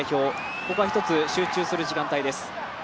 ここは一つ、集中する時間帯です。